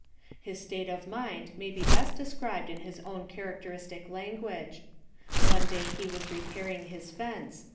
His state of mind may be best de scribed in his own characteristic langfuao^e. One day he was repairing his fence.